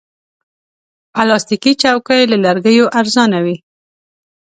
پلاستيکي چوکۍ له لرګیو ارزانه وي.